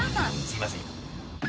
すいません。